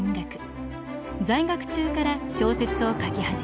在学中から小説を書き始めます。